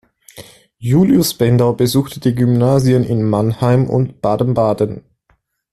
Julius Bender besuchte die Gymnasien in Mannheim und Baden-Baden.